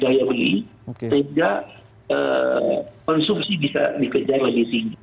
gaya beli sehingga konsumsi bisa dikerjakan lebih tinggi